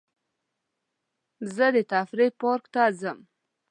زه د تفریح پارک ته ځم.